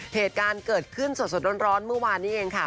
เหตุการณ์เกิดขึ้นสดร้อนเมื่อวานนี้เองค่ะ